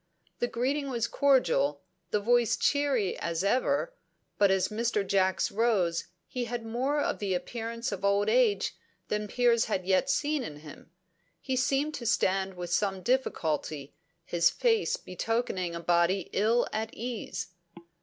The greeting was cordial, the voice cheery as ever, but as Mr. Jacks rose he had more of the appearance of old age than Piers had yet seen in him; he seemed to stand with some difficulty, his face betokening a body ill at ease.